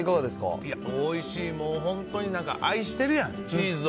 いや、おいしい、もう本当に、愛してるんやん、チーズを。